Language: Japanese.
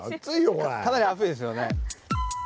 かなり熱いですよね。